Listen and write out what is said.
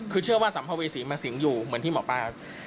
คือเชื่อว่าสัมภเวษีมาสิงอยู่เหมือนที่หมอปลา